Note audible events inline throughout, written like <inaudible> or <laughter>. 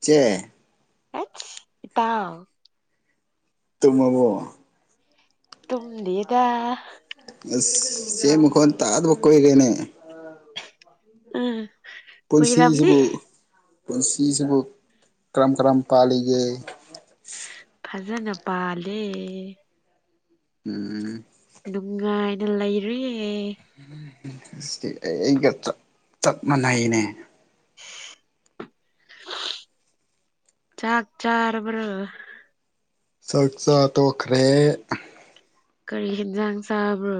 ꯆꯦ ꯑꯁ ꯏꯇꯥꯎ ꯇꯨꯝꯃꯕꯣ ꯇꯗꯤꯗ ꯆꯦ ꯃꯈꯣꯟ ꯇꯥꯗꯕ ꯀꯨꯏꯔꯦꯅꯦ ꯎꯝ ꯀꯨꯏꯔꯝꯅꯤ ꯄꯨꯟꯁꯤꯁꯤꯕꯨ ꯄꯨꯟ ꯆꯁꯤꯕꯨ ꯀ꯭ꯔꯝ ꯀ꯭ꯔꯝ ꯄꯥꯜꯂꯤꯒꯦ ꯖꯅ ꯄꯂꯦ ꯎꯝ ꯑꯗꯨ ꯂꯩꯔꯤ ꯎꯝ ꯑꯩ ꯑꯩꯒ ꯆꯞ ꯃꯥꯟꯅꯩꯅꯦ ꯆꯥꯥꯛ ꯆꯔꯔ ꯆꯥꯛ ꯆꯥ ꯇꯣꯛꯈ꯭ꯔꯦ ꯀꯔꯤ ꯌꯦꯟꯖꯥꯡ ꯆꯥꯕ꯭ꯔꯣ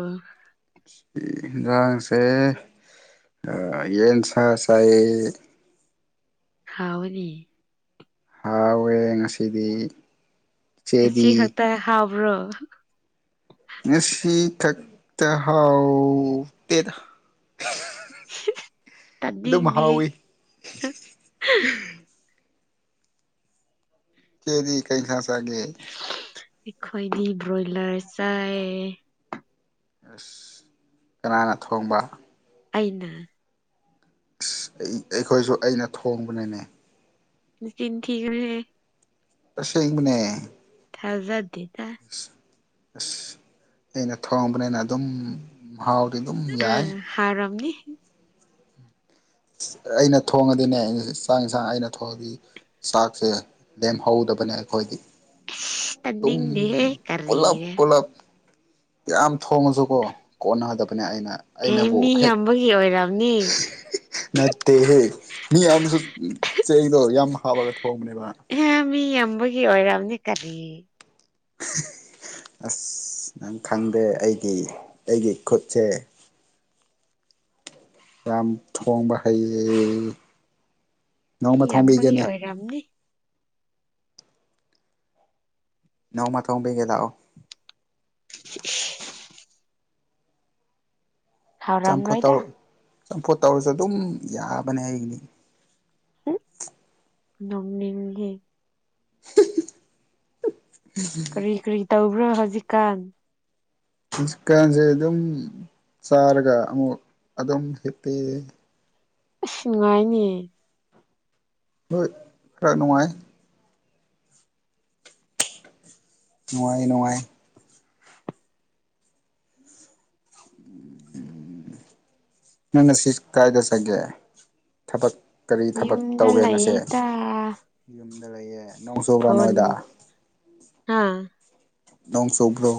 ꯁꯤ ꯌꯦꯟꯖꯥꯡꯁꯦ ꯌꯦꯟ ꯁꯥ ꯁꯥꯏ ꯍꯥꯎꯅꯤ ꯍꯥꯎꯋꯦ ꯉꯁꯤꯗꯤ ꯁꯤ ꯆꯦꯗꯤ ꯂꯛꯇ ꯍꯥꯥꯎꯕ ꯕ꯭ꯔꯣ ꯉꯁꯤ ꯊꯛꯇ ꯍꯥꯎ ꯇꯦꯔ ꯑꯗꯨꯝ ꯍꯥꯎꯋꯤ ꯇꯠꯇꯗꯤꯦ ꯀꯦꯔꯤ ꯀꯩ ꯉꯁꯒꯦ ꯑꯩꯈꯣꯏꯗꯤ ꯕ꯭ꯔꯣꯏꯂꯔ ꯆꯥꯏ ꯑꯁ ꯀꯅꯥꯅ ꯊꯣꯡꯕ ꯑꯩꯅ ꯑꯩꯈꯣꯏꯁꯨ ꯑꯩꯅ ꯊꯣꯡꯕꯅꯤꯅꯦ ꯖꯤꯤꯟ ꯊ ꯔꯦ ꯄꯁꯦꯡꯕꯅꯦ ꯍꯖꯥꯗꯤ ꯑ ꯑꯁ ꯑꯩꯅ ꯊꯋꯥꯕꯅꯦ ꯑꯅ ꯑꯗꯨꯝ ꯃꯍꯥꯎꯗꯤ ꯑꯗꯨꯝ ꯌꯥꯏ ꯑꯥ ꯍꯥꯎꯔꯝꯅꯤ ꯑꯩꯅ ꯊꯣꯡꯉꯗꯤꯅꯦ ꯑꯩꯅ ꯆꯥꯡ ꯌꯦꯟꯁꯥꯡ ꯑꯩꯅ ꯊꯣꯡꯉꯗꯤ ꯆꯥꯛꯁꯦ ꯂꯦꯝꯍꯧꯗꯕꯅꯦ ꯑꯩꯈꯣꯏꯗꯤ ꯑꯁ ꯎꯝ ꯇꯥꯅꯤꯡꯗꯦꯍꯦ ꯄꯣꯂꯞ ꯀꯔꯤꯔ ꯄꯣꯂꯞ ꯌꯥꯝ ꯊꯣꯡꯉꯁꯨ ꯀꯣ ꯀꯣꯟꯅ ꯍꯥꯏꯗ ꯑꯦ ꯃꯤ ꯌꯥꯝꯕꯒꯤ ꯑꯣꯏꯔꯕꯅꯤ ꯅꯠꯇꯦꯍꯦ ꯃꯤ ꯑꯨ ꯆꯦꯡꯗꯣ ꯌꯥꯝ ꯍꯥꯞꯕꯒ ꯍꯦ ꯃꯤ ꯝꯕꯒꯤ ꯑꯣꯏꯝꯅꯤ ꯀꯔꯤ ꯑꯁ ꯅꯪ ꯈꯪꯗꯦ ꯑꯩꯒꯤ ꯑꯩꯒꯤ ꯈꯨꯠꯁꯦ ꯌꯥꯝ ꯊꯣꯡꯕ ꯍꯩꯌꯦ ꯃꯤ ꯅꯣꯡꯃ ꯌꯥꯝꯕꯒꯤ ꯊꯣꯡꯕꯤꯒꯦꯅꯦ ꯑꯣꯏꯔꯝꯅꯤ ꯅꯣꯡꯃ ꯊꯣꯡꯕꯤꯒꯦ ꯂꯥꯛꯑꯣ <inaudible> ꯍꯥꯎꯔꯝ ꯅꯣꯏꯗ ꯆꯝꯐꯣꯠ ꯇꯧꯔꯁꯨ ꯑꯗꯨꯝ ꯌꯥꯕꯅꯦ ꯑꯩꯒꯤꯅꯤ ꯅꯝꯅꯤꯦ ꯀꯔꯤ ꯀꯔꯤ ꯇꯕꯨ ꯎ꯭ꯔ ꯍꯖꯤꯀꯥꯟ ꯍꯧꯖꯤꯛꯀꯥꯟꯁꯦ ꯑꯗꯨꯝ ꯆꯥꯔꯒ ꯑꯃꯨꯛ ꯑꯗꯨꯝ ꯍꯤꯄꯤꯤ ꯑꯁ ꯅꯨꯡꯉꯥꯏꯅꯤ ꯍꯣꯏ ꯐꯔ ꯅꯨꯡꯉꯥꯏ ꯅꯨꯡꯉꯥꯏ ꯅꯨꯡꯉꯥꯏ ꯅꯪꯅ ꯁꯤ ꯀꯥꯏꯗ ꯆꯒꯦ ꯊꯕꯛ ꯀꯔꯤ ꯊꯕꯛ ꯌꯨꯝꯗ ꯇꯧꯒꯦ ꯉꯁꯦ ꯂꯩꯌꯦꯗ ꯌꯨꯝ ꯂꯩ ꯂꯩꯦ ꯅꯣꯡ ꯆꯣꯕ꯭ꯔꯥ ꯅꯣꯣꯏꯗ ꯑꯥ ꯅꯣꯡ ꯆꯨꯞꯒ꯭ꯔꯣ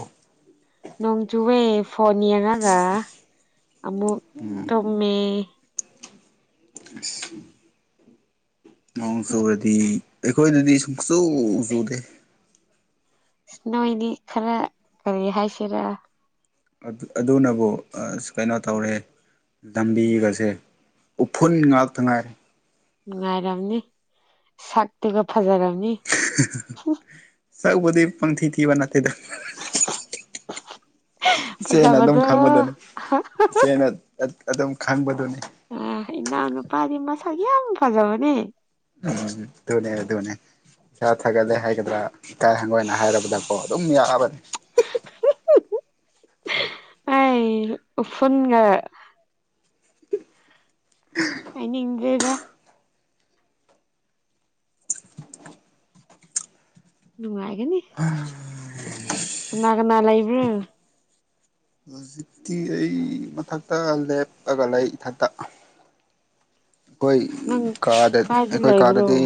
ꯅꯣꯡ ꯆꯨꯋꯦꯐ ꯐꯣꯟ ꯌꯦꯡꯉꯒ ꯑꯃꯨꯛ ꯎꯝ ꯇꯨꯝꯃꯦ <inaudible> ꯅꯣꯡ ꯁꯨꯔꯗꯤ ꯑꯩꯈꯣꯏꯗꯗꯤ ꯁꯨꯡꯁꯨ ꯆꯨꯗꯦ ꯏꯁ ꯅꯣꯏꯅꯤ ꯈꯔ ꯀꯔꯤ ꯍꯥꯏꯁꯤꯔ ꯑꯗꯨꯅꯕꯨ ꯑꯁ ꯀꯩꯅꯣ ꯇꯧꯔꯦ ꯂꯝꯕꯤꯒꯁꯦ ꯎꯐꯨꯟ ꯉꯥꯛꯇ ꯉꯥꯏꯔꯦ ꯅꯨꯡꯉꯥꯏꯔꯝꯅꯤ ꯁꯛꯇꯨꯒ ꯐꯖꯔꯝꯅꯤ ꯁꯕꯨ ꯄꯪꯤ ꯊ ꯋꯥ ꯅꯅꯥꯠꯇꯦꯗ <inaudible> ꯁꯦꯅ ꯑꯗꯨꯝ ꯐꯖꯕꯗꯣ ꯈꯪꯕꯗꯨꯅꯤ ꯁꯦꯅ ꯑꯗꯨꯝ ꯈꯕꯗꯨꯅꯤ ꯑ ꯏꯅꯥꯅꯄꯥꯗꯤ ꯃꯁꯒꯤꯦ ꯑꯃꯨ ꯐꯖꯕꯅꯦ ꯎꯝ ꯙꯣꯅꯦꯦ ꯙꯣꯅꯦ ꯆꯠ ꯍꯥꯏꯒꯗꯦ ꯍꯥꯏꯒꯗ꯭ꯔꯥ ꯏꯀꯥꯏ ꯍꯪꯒꯣꯏꯅ ꯍꯥꯏꯔꯕꯗꯀꯣ ꯑꯗꯨꯝ ꯌꯥꯕꯅꯤ ꯑ ꯐꯅꯤꯡꯒ ꯑꯩꯩꯅ ꯏꯗꯦꯒ ꯎꯝꯉꯒꯦꯅꯤ ꯑ ꯅꯥꯒꯅꯥ ꯂꯩ ꯂꯩꯕ꯭ꯔꯣ ꯍꯧꯖꯤꯛꯇꯤ ꯑꯩ ꯃꯊꯛꯇ ꯂꯦꯞꯑꯒ ꯂꯩ ꯏꯊꯛꯇ ꯑꯩꯈꯣꯏ ꯅꯪ ꯀꯥꯗ ꯀꯥꯏꯗ ꯑꯩꯈꯣꯏ ꯂꯩꯕ꯭ꯔꯣ ꯀꯥꯗꯗꯤ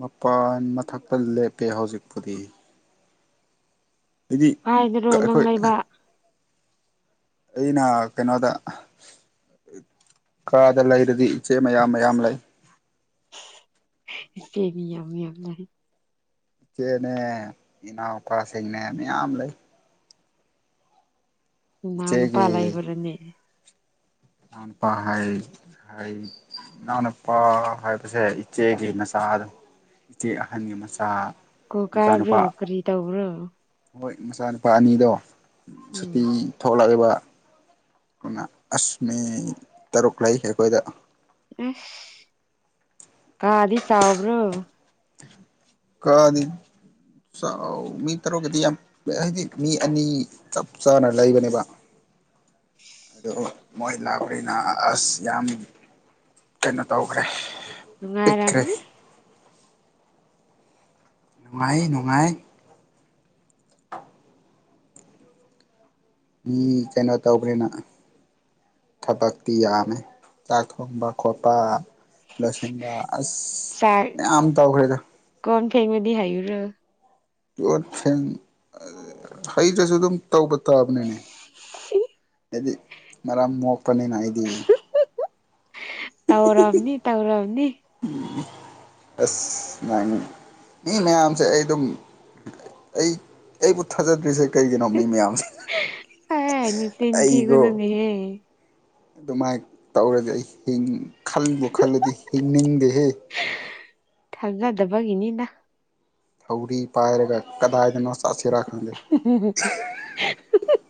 ꯃꯄꯥꯟ ꯃꯊꯛꯇ ꯂꯦꯞꯄꯦ ꯍꯧꯖꯤꯛꯄꯨꯗꯤ ꯍꯥꯏꯗꯤ ꯍꯥꯏꯗꯔꯣ ꯅꯪ ꯑꯩꯈꯣꯏ ꯂꯩꯕ ꯑꯩꯅ ꯀꯩꯅꯣꯗ ꯀꯥꯗ ꯂꯩꯔꯗꯤ ꯏꯆꯦ ꯃꯌꯥꯝ ꯃꯌꯥꯝ ꯂꯩ ꯀꯦꯕꯤ ꯌꯥꯝꯂꯦ ꯆꯦ ꯅꯅꯦ ꯏꯅꯥꯎ ꯀ ꯁꯅꯦ ꯃꯌꯥꯝꯝ ꯂꯩ ꯅꯅ ꯏꯆꯦꯒꯤ ꯄꯂ ꯏꯕ꯭ꯔꯅꯦ ꯏꯅꯥꯎꯅꯨꯄꯥ ꯍꯥꯏ ꯏꯅꯥꯎꯅꯨꯄꯥ ꯍꯥꯏꯕꯁꯦ ꯏꯆꯦꯒꯤ ꯃꯆꯥꯗꯣ ꯏꯆꯦ ꯑꯍꯟꯒꯤ ꯃꯆꯥ ꯀꯣ ꯀꯥꯕ꯭ꯔꯣ ꯃꯆꯥꯅꯨꯄꯥ ꯀꯔꯤ ꯇꯧꯕ꯭ꯔꯣ ꯍꯣꯏ ꯃꯆꯥꯅꯨꯄꯥ ꯑꯅꯤꯗꯣ ꯎꯝ ꯁꯇꯤ ꯊꯧꯕ ꯂꯒꯦ ꯋꯥ ꯑꯁꯃꯤ ꯇꯔꯨꯛ ꯂꯩ ꯑꯩꯈꯣꯏꯗ ꯑ ꯀꯥꯗꯤ ꯆꯥꯎꯥꯎꯕ꯭ꯔꯣ ꯈꯗꯤ ꯃꯤ ꯇꯔꯨꯛꯀꯗꯤ ꯌꯥꯝ ꯍꯧꯖꯤꯛ ꯃꯤ ꯑꯅꯤ ꯆꯞ ꯆꯥꯅ ꯂꯩꯕꯅꯦꯕ ꯑꯗꯨ ꯃꯣꯏ ꯂꯥꯛꯄꯅꯤꯅ ꯑꯁ ꯌꯥꯝ ꯀꯩꯅꯣ ꯇꯧꯈ꯭ꯔꯦ ꯄꯤꯛꯈ꯭ꯔꯦ ꯅꯨꯡꯉꯥꯏꯔꯝꯅꯤ ꯅꯨꯡꯉꯥꯏ ꯅꯨꯡꯉꯥꯏ ꯃꯤ ꯀꯩꯅꯣ ꯇꯧꯕ꯭ꯔꯦꯅ ꯊꯕꯛꯇꯤ ꯌꯥꯝꯃꯦ ꯆꯥꯛ ꯊꯣꯡꯕ ꯈꯣꯠꯄ ꯂꯁꯟꯕ ꯑꯁ ꯌꯥꯝ ꯇꯧꯈ꯭ꯔꯦꯗ ꯐꯩꯃꯗꯤ ꯍꯥꯏꯌꯔ ꯌꯦꯡ ꯍꯩꯔꯁꯨ ꯑꯗꯨꯝ ꯇꯧꯕ ꯀꯇꯥꯥꯕꯅꯦꯅꯦ ꯍꯥꯏꯗꯤ ꯃꯔꯝ ꯃꯣꯛꯄꯅꯤꯅ ꯑꯩꯗꯤ ꯇꯧꯔꯝꯅꯤ ꯇꯧꯔꯝꯅꯤ ꯑꯁ ꯁꯨꯃꯥꯏꯅ ꯃꯤ ꯃꯌꯥꯝꯁꯦ ꯑꯩ ꯑꯗꯨꯝ ꯑꯩ ꯑꯩꯕꯨ ꯊꯥꯖꯗ꯭ꯔꯤꯁꯦ ꯀꯩꯒꯤꯅꯣ ꯃꯤ ꯃꯌꯥꯝ ꯑꯦ ꯅꯆꯤꯟ ꯑꯩꯒꯣ ꯊꯤꯒꯅꯨꯅꯦꯍꯦ ꯑꯗꯨꯃꯥꯏꯅ ꯇꯧꯔꯗꯤ ꯑꯩ ꯈꯟꯕꯨ ꯈꯜꯂꯗꯤ ꯍꯤꯡꯅꯤꯡꯗꯦꯍꯦ ꯊꯖꯗꯕꯒꯤꯅꯤꯅ ꯊꯧꯔꯤ ꯄꯥꯏꯔꯒ ꯀꯗꯥꯏꯗꯅꯣ ꯆꯠꯁꯤꯔꯥ ꯈꯪꯗꯦ <inaudible>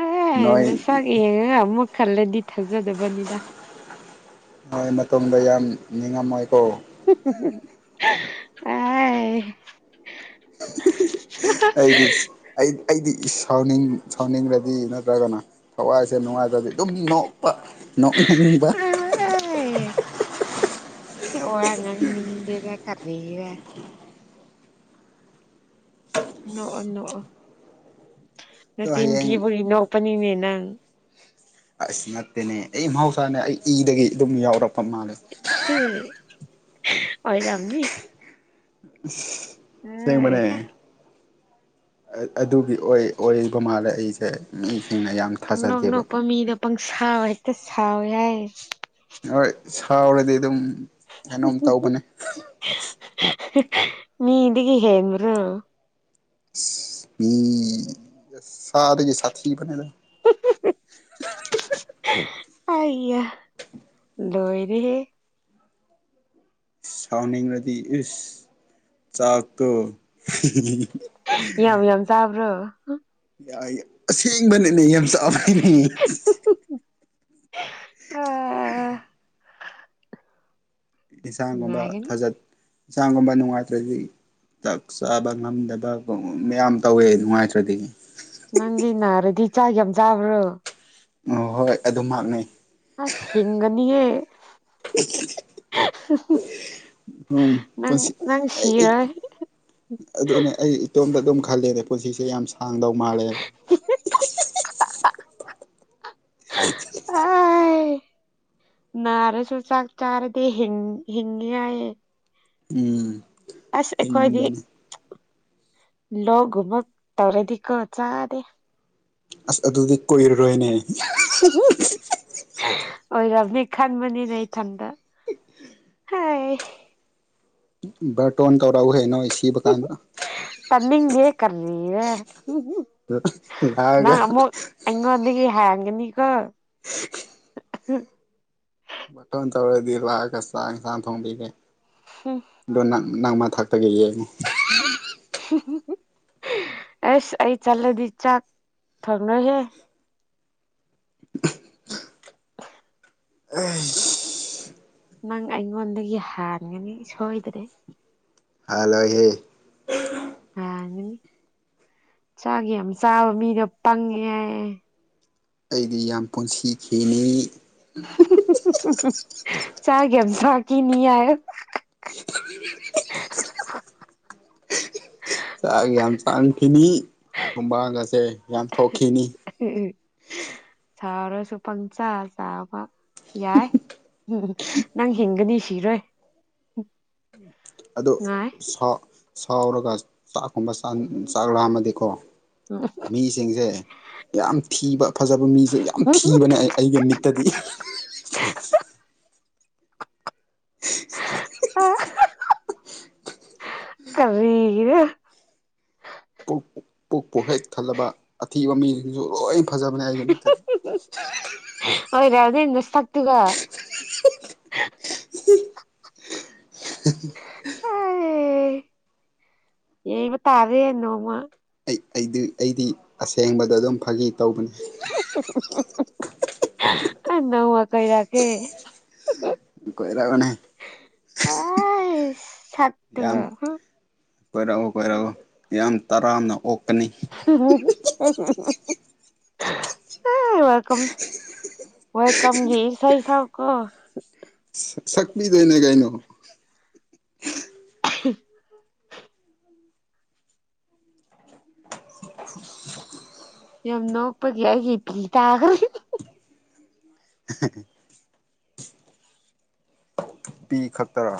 ꯑꯦ ꯅꯣꯏ ꯅꯨꯅꯨꯡꯁꯥꯒꯤꯦ ꯌꯦ ꯑꯃꯨꯛ ꯈꯜꯂꯗꯤ ꯊꯥꯖꯗꯕꯅꯤꯗ ꯍꯣꯏ ꯃꯇꯝꯗ ꯌꯥꯝ ꯅꯤꯡꯉꯝꯃꯣꯏ <unintelligible> ꯑꯦ ꯑꯩꯗꯤ ꯑꯩ ꯑꯩꯗꯤ ꯁꯥꯎꯅꯤꯡ ꯁꯥꯎꯅꯤꯡꯂꯗꯤ ꯅꯠꯇ꯭ꯔꯒꯅ ꯊꯋꯥꯏꯁꯦ ꯅꯨꯡꯉꯥꯏꯇꯗꯤ ꯑꯗꯨꯝ ꯅꯣꯛ ꯅꯅꯤꯡꯅꯨꯡꯕ ꯑꯣꯔꯉꯦ ꯀꯔꯤ ꯅꯣ ꯅꯣ ꯅ ꯑꯗꯣ ꯍꯌꯦꯡ ꯇꯤꯟꯇꯕꯨ ꯅꯄꯅꯤꯅꯤ ꯅꯪ ꯑꯁ ꯅꯠꯇꯦꯅꯦ ꯑꯩ ꯃꯍꯧꯁꯥꯅꯦ ꯑꯩ ꯏꯗꯒꯤ ꯑꯗꯨꯝ ꯌꯥꯎꯔꯛꯄ ꯃꯥꯜꯂꯦ ꯠꯇ ꯍꯔꯝꯅꯤ <unintelligible> ꯑꯁꯦꯡꯕꯅꯦ ꯍ ꯑꯗꯨꯒꯤ ꯑꯣꯏ ꯑꯣꯏꯕ ꯃꯥꯥꯜꯂꯦ ꯑꯩꯁꯦ ꯃꯤꯁꯤꯡꯅ ꯌꯥꯝ ꯄꯪ ꯅꯣꯛ ꯊꯥꯖꯗꯦꯕ ꯅꯣꯛꯄ ꯃꯤꯗ ꯄꯪꯁꯦ ꯑ ꯁꯋꯥꯦꯁ ꯍꯣꯏ ꯍꯥꯎꯔꯗꯤ ꯑꯗꯨꯝ ꯀꯩꯅꯣꯝ ꯇꯧꯕꯅꯦ ꯃꯤ ꯏꯒ ꯍꯦꯟ꯭ꯔꯥ ꯃꯤ ꯁꯥꯥꯗꯒꯤ ꯁꯥꯊꯤ ꯅꯦꯗ ꯑꯌꯥ ꯂꯣꯏꯔꯦ ꯁꯥꯎꯅꯤꯡꯂꯗꯤ ꯏꯁ ꯆꯥꯛꯇꯣ ꯌꯥꯝ ꯌꯥꯝ ꯆꯥꯕ꯭ꯔꯣ ꯎꯝ ꯌꯥꯏ ꯑꯁꯦꯡꯕꯅꯤꯅꯦ ꯌꯥꯝ ꯆ ꯑꯥꯏꯅꯤ ꯑ <unintelligible> ꯏꯟꯁꯥꯡꯒꯨꯝꯕ ꯅꯥꯒꯅꯤ ꯐꯖꯠ ꯏꯟꯁꯥꯡꯒꯨꯝꯕ ꯅꯨꯡꯉꯥꯏꯇ꯭ꯔꯗꯤ ꯆꯥꯛ ꯆꯥꯕ ꯉꯝꯗꯕ ꯃꯌꯥꯝ ꯇꯧꯋꯦ ꯅꯨꯡꯉꯥꯏꯇ꯭ꯔꯗꯤ ꯅꯪ ꯅꯔꯗꯤ ꯆꯥꯛ ꯌꯥꯝ ꯆꯥꯕ꯭ꯔꯣ ꯎ ꯍꯣꯏ ꯑꯗꯨꯃꯛꯥꯛꯅꯩ ꯑꯁ ꯍꯤꯡꯒꯅꯤꯌꯦ ꯎꯝ ꯅꯪ ꯄꯨꯟꯁꯤ ꯅꯪ ꯑꯩ ꯁꯤꯔꯣꯏ ꯑꯗꯨꯅꯦ ꯑꯩ ꯏꯇꯣꯝꯗ ꯑꯗꯨꯝ ꯈꯜꯂꯦꯗ ꯄꯨꯟꯁꯤꯁꯦ ꯌꯥꯝ ꯁꯥꯡꯗꯧ ꯃꯥꯜꯂꯦꯕ ꯑ ꯅꯔꯁꯨꯁꯒ ꯆꯔꯗꯤ ꯍꯤꯡ ꯍꯤꯡꯒꯌꯥ ꯎꯝ ꯑꯁ ꯑꯩꯈꯣꯏꯗꯤ ꯍꯤꯡꯕꯅꯦ ꯂꯣꯒ ꯃꯒ ꯇꯧꯔꯦꯗꯤ ꯀ ꯆꯗꯦ ꯑꯁ ꯑꯗꯨꯗꯤ ꯀꯣꯏꯔꯔꯣꯏꯅꯦ ꯑꯣꯏꯔꯝꯅꯤ ꯈꯟꯕꯅꯤꯅꯦ ꯏꯊꯟꯗ ꯍꯥꯏ ꯇꯣꯟ ꯀꯧꯔꯎ ꯍꯦꯅꯣ ꯇꯅꯤꯡꯦ ꯀꯔꯂ ꯌꯦ ꯂꯒ ꯀꯗꯤꯗꯒꯤ ꯍꯥꯏꯒꯅꯤ ꯀ ꯃꯇꯣꯟ ꯇꯧꯔꯗꯤ ꯂꯥꯛꯒ ꯆꯥꯡ ꯁꯥꯡ ꯊꯣꯡꯕꯤꯒꯦ ꯗꯅꯥ ꯅꯪꯃ ꯊꯥꯛꯇꯒꯤ ꯌꯦꯉ ꯑꯁ ꯑꯩ ꯆꯠꯂꯗꯤ ꯆꯥꯛ ꯊꯣꯡꯅꯣꯏꯍꯦ ꯑꯩꯁ ꯅꯪ ꯑꯩꯉꯣꯟꯗꯒꯤ ꯍꯥꯟꯒꯅꯤ ꯁꯣꯏꯗ꯭ꯔꯦ ꯍꯥꯂꯣꯏꯍꯦ ꯌꯥꯅꯤ ꯆꯥꯛꯒꯤ ꯌꯥꯝ ꯆꯥꯕ ꯃꯤꯗ ꯄꯪꯉꯦ ꯑꯩꯗꯤ ꯌꯥꯝ ꯄꯨꯟꯁꯤꯈꯤꯅꯤ ꯆꯥꯒ ꯁꯥ ꯀꯅꯤꯔ ꯆꯥꯛ ꯌꯥꯝ ꯆꯥꯡꯈꯤꯅꯤ ꯍꯨꯝꯕꯥꯒꯁꯦ ꯌꯥꯝ ꯊꯣꯛꯈꯤꯅꯤ ꯁꯥꯔꯁꯨ ꯄꯪꯆꯥ ꯆꯥꯕ ꯌꯥꯏ ꯎꯝ ꯅꯪ ꯍꯤꯡꯒꯅꯤ ꯁꯤꯔꯣꯏ ꯑꯗꯣ ꯉꯥꯏ ꯁꯥ ꯁꯥꯎꯔꯒ ꯆꯥꯛꯀꯨꯝꯕ ꯆꯥꯛꯂꯥꯃꯀꯣ ꯃꯤꯁꯤꯡꯁꯦ ꯌꯥꯝ ꯊꯤꯕ ꯐꯖꯕ ꯃꯤꯁꯨ ꯌꯥꯝ ꯊꯤꯕꯅꯦ ꯑꯩꯒꯤ ꯃꯤꯠꯇꯗꯤ ꯀꯔ ꯄꯨ ꯍꯦꯛ ꯊꯜꯂꯕ ꯑꯊꯤꯕ ꯃꯤꯁꯤꯡꯁꯨ ꯂꯣꯏ ꯍꯦꯐꯖꯕꯅꯦ ꯍꯥꯏꯥꯏꯒꯤꯅꯤ ꯇ ꯑꯣꯏꯣꯏ ꯌꯥꯗꯁꯥꯛ ꯇꯒ ꯑꯦ ꯌꯦꯕ ꯇꯥꯔꯦ ꯏꯅꯣꯃ ꯑꯩ ꯑꯩꯗꯤ ꯑꯩꯗꯤ ꯑꯁꯦꯡꯕꯗꯣ ꯑꯗꯨꯝ ꯐꯥꯒꯤ ꯇꯧꯕꯅꯤ ꯅꯎ ꯀꯩ ꯔꯀꯦ ꯀꯣꯏꯔꯛꯑꯣꯅꯦ ꯑ ꯁꯠ ꯇꯉ ꯀꯣꯏꯔꯛꯎ ꯀꯣꯏꯔꯛꯎ ꯌꯥꯝ ꯇꯔꯥꯝꯅ ꯑꯣꯛ ꯕꯣꯔꯣꯕꯤ ꯍꯥꯍꯑꯍꯥ <inaudible> ꯋꯦꯜꯝ ꯋꯦꯜꯀꯝꯒꯤ ꯁ ꯁꯥꯕ ꯀꯣ ꯁ ꯁ ꯃꯤꯕꯤꯗꯣꯏꯅꯦ ꯀꯥꯏꯅꯣ ꯑꯍꯤ <inaudible> ꯌꯥꯝꯅꯣꯄꯗꯤ ꯍꯥꯏꯒꯤꯠ ꯇꯒ꯭ꯔ ꯅꯨꯄꯤꯤ ꯈꯛꯇꯔꯥ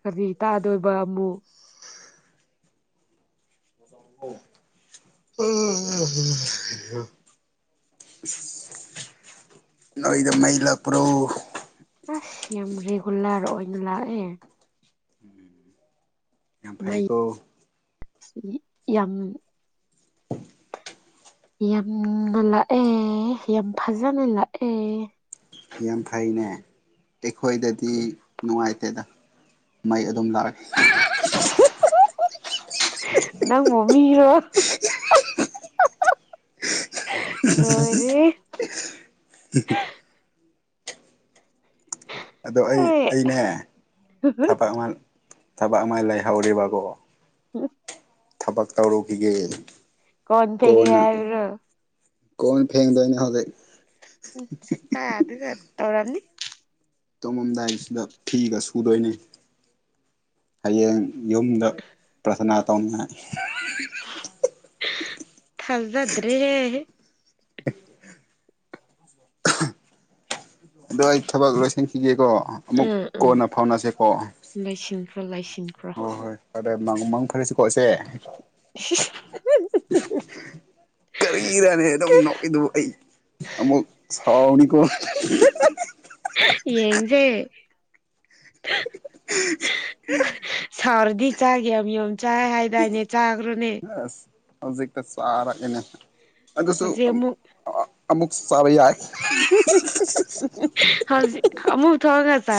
ꯀꯔꯤ ꯇꯥꯗꯣꯏꯕ ꯑꯃꯃꯨ ꯑꯣ ꯅꯣꯏꯗ ꯃꯩꯂ ꯄ꯭ꯔꯣ ꯑꯁ ꯌꯥꯝ ꯔꯤꯒꯨꯂꯔ ꯑꯣꯏꯅ ꯂꯥꯛꯑꯦ ꯇꯐꯥꯏꯀ ꯁꯤ ꯑꯦꯝ ꯌꯥꯝꯅ ꯂꯥꯛꯑꯦ ꯌꯥꯝ ꯐꯖꯅ ꯂꯥꯛꯑꯦ ꯌꯥꯝ ꯐꯩꯅꯦ ꯑꯩꯈꯣꯏꯗꯗꯤ ꯅꯨꯡꯉꯥꯏꯇꯦꯗ ꯃꯩ ꯑꯗꯨꯝ ꯂꯥꯛꯑꯦ ꯅꯪ ꯃꯃꯤꯒꯔꯣ ꯑꯍꯥꯍꯥꯍꯥ <inaudible> ꯑꯗꯣ ꯑꯩ ꯑꯦ ꯑꯅꯦ ꯊꯕꯛ ꯊꯕꯛ ꯑꯃꯥꯏ ꯂꯩꯍꯧꯔꯤꯕꯀꯣ ꯎꯝ ꯊꯄꯥꯛꯇꯥꯔꯀꯤꯈꯤꯒꯦ ꯀꯣꯟ ꯊꯦꯡꯔ ꯀꯣꯟ ꯐꯦꯡꯗꯣꯏꯅꯦꯍꯖꯤ ꯎꯝ ꯆꯠꯇ ꯑꯗꯨꯒ ꯇꯧꯔꯅꯤ ꯇꯨꯝꯃꯝꯗꯥꯏꯕꯁꯤꯗ ꯐꯤꯒ ꯁꯨꯗꯣꯏꯅꯤ ꯍꯌꯦꯡ ꯌꯨꯝꯗ ꯄ꯭ꯔꯊꯅꯥ ꯇꯧꯅꯤꯉꯥꯏ ꯍꯤ ꯍꯥ ꯍꯥ ꯊꯖꯖꯗ꯭ꯔꯦ ꯍꯥꯏꯦ ꯑꯗꯣ ꯑꯩ ꯊꯕꯛ ꯂꯣꯏꯁꯤꯟꯈꯤꯒꯦꯀꯣ ꯑꯃꯨꯛ ꯎꯝ ꯀꯣꯟꯅ ꯐꯥꯎꯅꯁꯦꯀꯣ ꯊꯜꯂꯥꯏꯁꯤ ꯍ ꯍꯣꯏ ꯑꯗ ꯃꯪ ꯃꯪ ꯐꯔꯁꯤꯀꯣ ꯏꯆꯦ ꯀꯔꯤꯔꯅꯦ ꯑꯗꯨꯝ ꯅꯣꯛꯏꯗꯨꯕꯨ ꯑꯩ ꯑꯃꯨꯛ ꯍꯧꯅꯤ ꯀꯣ ꯌꯦꯡꯁꯦ <unintelligible> <unintelligible> ꯁꯥꯎꯔꯗꯤ ꯆꯥꯛ ꯌꯥꯝ ꯌꯥꯝ ꯆꯥꯏ ꯍꯥꯏꯗꯥꯏꯅꯦ ꯆꯒ꯭ꯔꯅꯦ ꯑꯁ ꯍꯧꯖꯤꯛꯇ ꯆꯔ ꯏꯩꯅ ꯑꯗꯁꯨ ꯍꯧꯖꯤꯛ ꯑꯃꯨꯛ ꯆꯕ ꯌꯥꯏ ꯍꯖꯤꯛ ꯑꯃꯨ ꯊꯣꯡꯑꯒ ꯆ